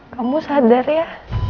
kamu sadar ya